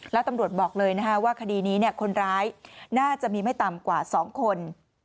แล้วตำรวจบอกเลยว่าคดีนี้คนร้ายน่าจะมีไม่ต่ำกว่า๒คน